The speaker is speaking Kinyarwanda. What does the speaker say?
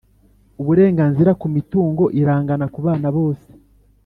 uburenganzira kumitungo irangana kubana bose